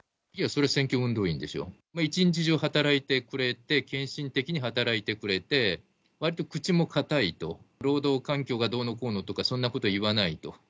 そりゃ、選挙運動員でしょ、一日中、献身的に働いてくれて、わりと口も堅いと、労働環境がどうのこうのとか、そんなこと言わないと。